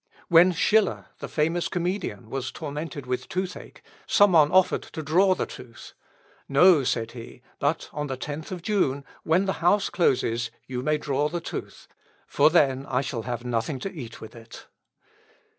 When Schiller, the famous comedian, was tormented with toothache, some one offered to draw the tooth. "No," said he, "but on the 10th of June, when the house closes, you may draw the tooth, for then I shall have nothing to eat with it."